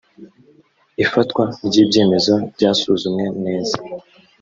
ifatwa ry’ibyemezo byasuzumwe neza